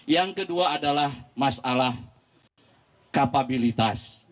yang kedua adalah masalah kapabilitas